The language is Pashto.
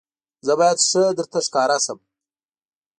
زه باید ښه درته ښکاره شم.